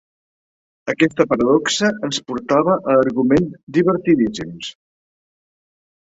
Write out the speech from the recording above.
Aquesta paradoxa ens portava a arguments divertidíssims.